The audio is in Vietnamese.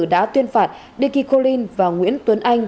đã tuyên phạt dekikolin và nguyễn tuấn anh